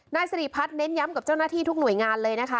นายสิริพัฒน์เน้นย้ำกับเจ้าหน้าที่ทุกหน่วยงานเลยนะคะ